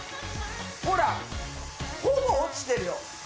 ほらほぼ落ちてるよ。